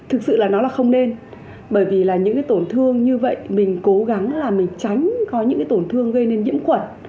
thực sự là nó là không nên bởi vì là những cái tổn thương như vậy mình cố gắng là mình tránh có những cái tổn thương gây nên nhiễm quẩn